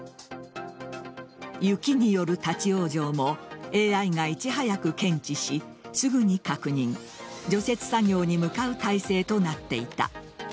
雪による立ち往生もＡＩがいち早く検知しすぐに確認除雪作業に向かう体制となっていた。